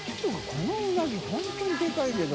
このうなぎ本当にでかいけど。